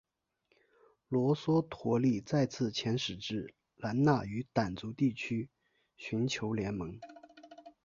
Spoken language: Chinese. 罗娑陀利再次遣使至兰纳与掸族地区寻求联盟。